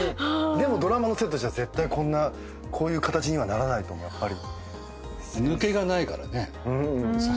でもドラマのセットじゃ絶対こういう形にはならないと思うやっぱり。